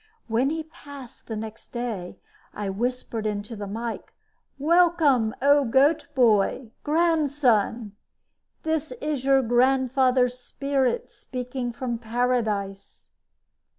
When he passed next day, I whispered into the mike: "Welcome, O Goat boy Grandson! This is your grandfather's spirit speaking from paradise."